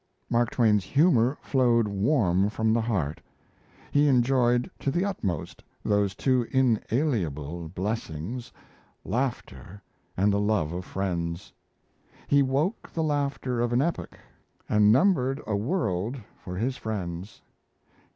Mark Twain's humour flowed warm from the heart. He enjoyed to the utmost those two inalienable blessings: "laughter and the love of friends." He woke the laughter of an epoch and numbered a world for his friends.